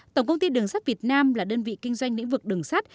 tổng công ty đường sắt việt nam là đơn vị kinh doanh lĩnh vực đường sắt